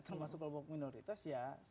termasuk kelompok minoritas ya